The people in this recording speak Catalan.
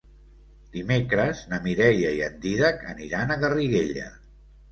Dimecres na Mireia i en Dídac aniran a Garriguella.